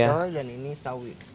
pakcoy dan ini sawi